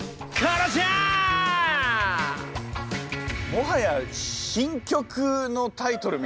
もはや新曲のタイトルみたいな。